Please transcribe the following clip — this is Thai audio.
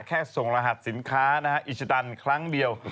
แค่ส่งรหัสสินค้าอิชตันครั้งเดียว